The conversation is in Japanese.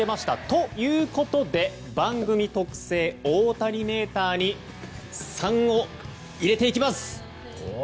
ということで、番組特製大谷メーターに３を入れていきます。